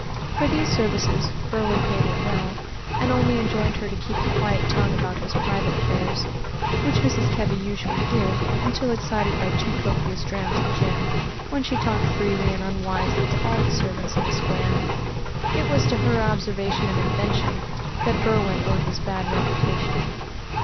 For these services Berwin paid her well, and only enjoined her to keep a quiet tongue about his private affairs, which Mrs. Kebby usually did until excited by too copious drams of gin, when she talked freely and unwisely to all the servants in the Square. It was to her observation and invention that Berwin owed his bad reputation.